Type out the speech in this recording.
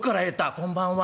「こんばんは。